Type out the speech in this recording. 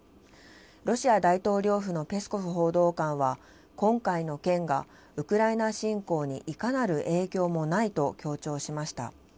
ロシア大統領府のペスコフ報道官は、今回の件がウクライナ侵攻にいかなる影響もないと強調しました。